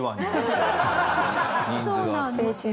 そうなんですよ。